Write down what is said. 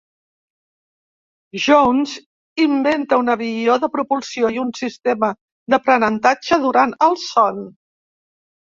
Jones inventa un avió de propulsió i un sistema d'aprenentatge durant el son.